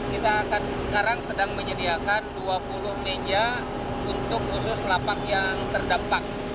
kita akan sekarang sedang menyediakan dua puluh meja untuk khusus lapak yang terdampak